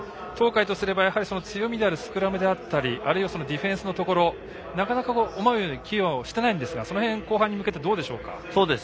東海とすればやはり、強みであるスクラムあるいはディフェンスのところなかなか思うように機能していませんがその辺、後半に向けてどうでしょうか？